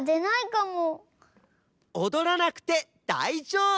おどらなくてだいじょうぶ！